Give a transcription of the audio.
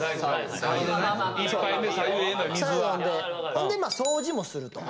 そんで掃除もすると。